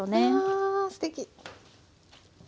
あすてき！